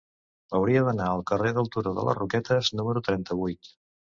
Hauria d'anar al carrer del Turó de les Roquetes número trenta-vuit.